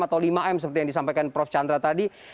atau lima m seperti yang disampaikan prof chandra tadi